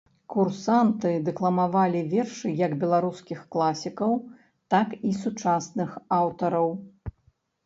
Канкурсанты дэкламавалі вершы як беларускіх класікаў, так і сучасных аўтараў.